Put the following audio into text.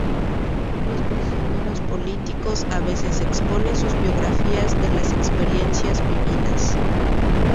Los prisioneros políticos a veces exponen sus biografías de las experiencias vividas.